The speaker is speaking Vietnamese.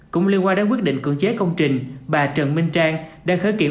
cũng liên quan đến quyết định cưỡng chế công trình bà trần minh trang đã khởi kiệm